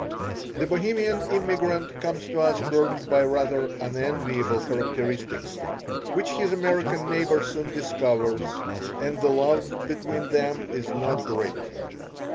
The Bohemian immigrant comes to us burdened by rather unenviable characteristics, which his American neighbour soon discovers, and the love between them is not great.